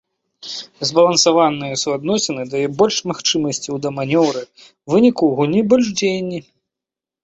Збалансаванае суадносіны дае больш магчымасцяў для манеўраў, у выніку ў гульні больш дзеянні.